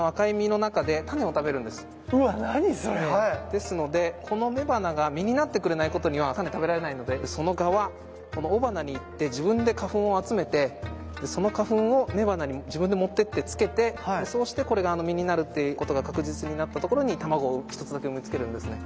ですのでこの雌花が実になってくれないことにはタネ食べられないのでその蛾はこの雄花に行って自分で花粉を集めてその花粉を雌花に自分で持ってってつけてそうしてこれが実になるっていうことが確実になったところに卵を一つだけ産みつけるんですね。